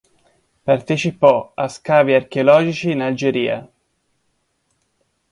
Partecipò a scavi archeologici in Algeria.